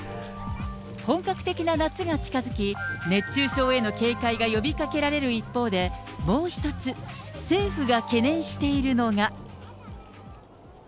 本格的な夏が近づき、熱中症への警戒が呼びかけられる一方で、もう一つ、政府が懸念しているのが。